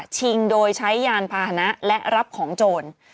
ชิงโดยใช้ยานพาหนะและรับของโจร